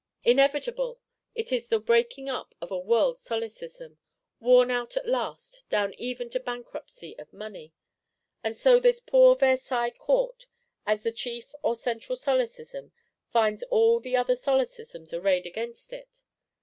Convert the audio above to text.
Inevitable: it is the breaking up of a World Solecism, worn out at last, down even to bankruptcy of money! And so this poor Versailles Court, as the chief or central Solecism, finds all the other Solecisms arrayed against it.